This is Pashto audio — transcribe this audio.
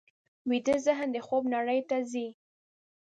ویده ذهن د خوب نړۍ ته ځي